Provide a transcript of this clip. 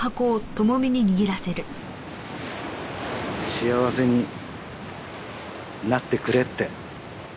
幸せになってくれって。